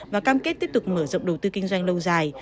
và cam kết tiếp tục mở rộng đầu tư kinh doanh lâu dài